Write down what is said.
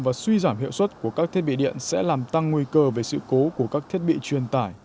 và suy giảm hiệu suất của các thiết bị điện sẽ làm tăng nguy cơ về sự cố của các thiết bị truyền tải